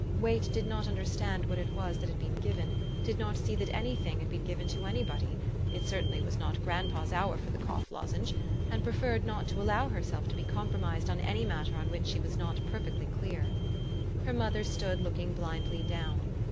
Wait did not understand what it was that had been given ; did not see that any thing had been given to anybody (it certainly was not grandpa's hour for the cough lozenge), and preferred not to allow herself to be compromised on any matter on which she was not perfectly clear. Her mother stood looking blindly down.